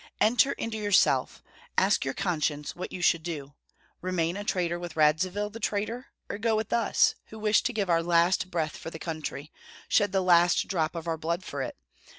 Enter into yourself; ask your conscience what you should do, remain a traitor with Radzivill, the traitor, or go with us, who wish to give our last breath for the country, shed the last drop of our blood for it.